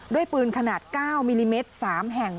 ด้วยปืนขนาด๙มิลลิเมตร๓แห่ง